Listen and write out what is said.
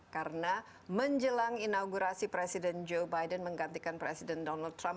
karena menjelang inaugurasi presiden joe biden menggantikan presiden donald trump